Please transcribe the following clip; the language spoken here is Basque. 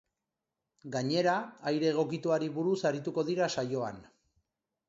Gainera, aire egokituari buruz arituko dira saioan.